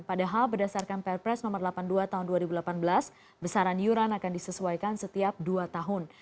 padahal berdasarkan perpres nomor delapan puluh dua tahun dua ribu delapan belas besaran iuran akan disesuaikan setiap dua tahun